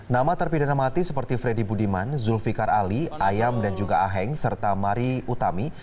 nama terpidana mati seperti freddy budiman zulfikar ali ayam dan juga aheng serta mari utami